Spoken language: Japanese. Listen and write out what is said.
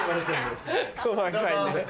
細かいね。